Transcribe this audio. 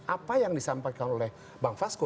apa yang disampaikan oleh bang fasko